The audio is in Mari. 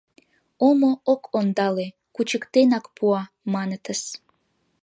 Омо ок ондале, кучыктенак пуа, манытыс.